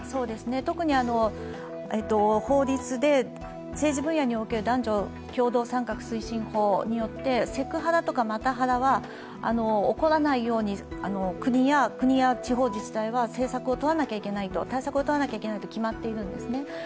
特に法律で政治分野における男女共同参画推進法によってセクハラとかマタハラは起こらないように国や、国の地方自治体は政策をとらなきゃいけない、対策をとらなきゃいけないと決まっているんですね。